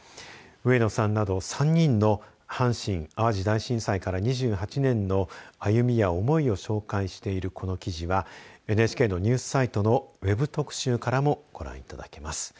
上野さんなど３人の阪神・淡路大震災から２８年の歩みや思いを紹介しているこの記事はＮＨＫのニュースサイトのウェブ特集からもご覧いただけます。